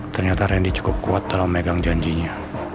ternyata randy cukup kuat dalam megang janjinya